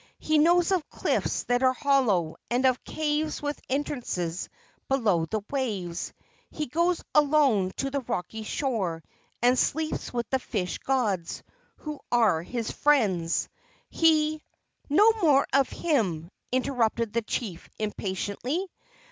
He knows of cliffs that are hollow, and of caves with entrances below the waves. He goes alone to the rocky shore, and sleeps with the fish gods, who are his friends. He " "No more of him!" interrupted the chief, impatiently.